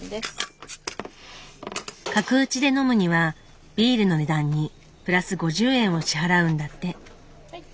角打ちで飲むにはビールの値段にプラス５０円を支払うんだって。